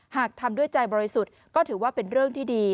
หากทำด้วยใจบริสุทธิ์ก็ถือว่าเป็นเรื่องที่ดี